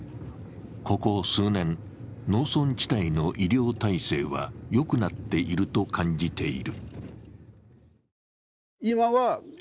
ここ数年、農村地帯の医療体制はよくなっていると感じている。